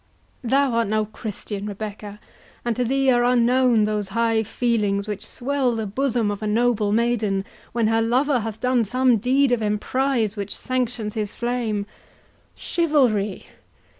Thou art no Christian, Rebecca; and to thee are unknown those high feelings which swell the bosom of a noble maiden when her lover hath done some deed of emprize which sanctions his flame. Chivalry!